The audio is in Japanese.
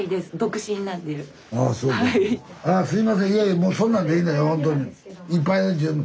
いやいやもうそんなんでいいのよ